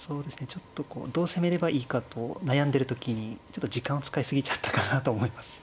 ちょっとこうどう攻めればいいかと悩んでる時にちょっと時間を使い過ぎちゃったかなと思います。